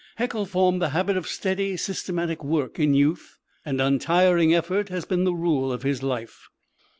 Haeckel formed the habit of steady, systematic work in youth, and untiring effort has been the rule of his life.